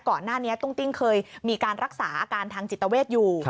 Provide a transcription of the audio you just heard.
ก่อนหน้านี้ตุ้งติ้งเคยมีการรักษาอาการทางจิตเวทอยู่